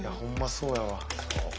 そうやわ。